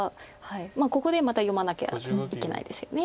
まあここでまた読まなきゃいけないですよね。